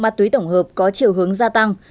ma túy tổng hợp có chiều hướng gia tăng